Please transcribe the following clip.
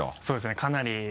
そうですねかなり。